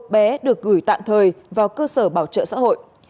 bé được gửi tạm thời vào cơ sở bảo trợ xã hội